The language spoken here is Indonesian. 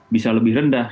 bisa lebih rendah